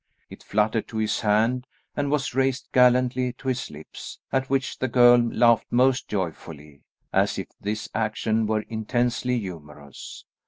It fluttered to his hand and was raised gallantly to his lips, at which the girl laughed most joyfully, as if this action were intensely humorous.